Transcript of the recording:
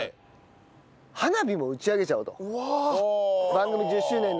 番組１０周年なんで。